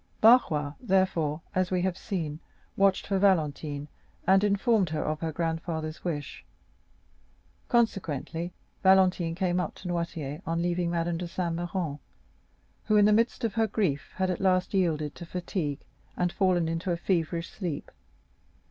Barrois, therefore, as we have seen, watched for Valentine, and informed her of her grandfather's wish. Consequently, Valentine came up to Noirtier, on leaving Madame de Saint Méran, who in the midst of her grief had at last yielded to fatigue and fallen into a feverish sleep.